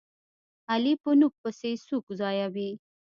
علي په نوک پسې سوک ځایوي.